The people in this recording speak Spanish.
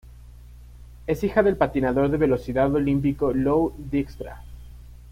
Es hija del patinador de velocidad olímpico Lou Dijkstra.